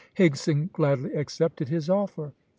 Higson gladly accepted his offer.